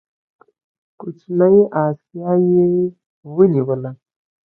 کوچنۍ اسیا یې ونیوله.